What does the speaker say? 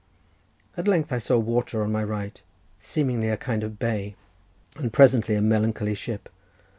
At length I saw water on my right, seemingly a kind of bay, and presently a melancholy ship.